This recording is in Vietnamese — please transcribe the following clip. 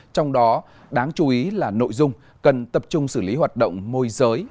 trong đó đáng chú ý là nội dung cần tập trung xử lý hoạt động môi giới